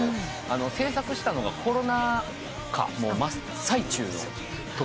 制作したのがコロナ禍真っ最中のときで。